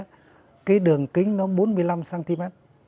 cái đường kính nó bốn mươi năm cm